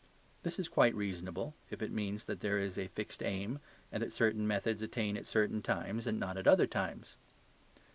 This is quite reasonable, if it means that there is a fixed aim, and that certain methods attain at certain times and not at other times.